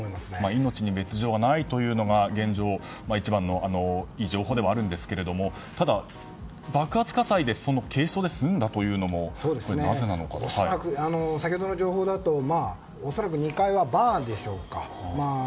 命に別条はないというのが現状一番のいい情報ではあるんですがただ、爆発火災で軽傷で済んだというのも先ほどの情報によると恐らく２階はバーでしょうか。